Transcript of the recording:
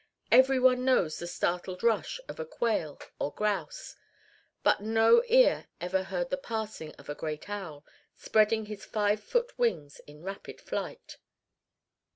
Every one knows the startled rush of a quail or grouse. But no ear ever heard the passing of a great owl, spreading his five foot wings in rapid flight.